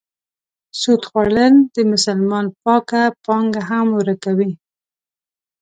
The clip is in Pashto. سود خوړل د مسلمان پاکه پانګه هم ورکوي.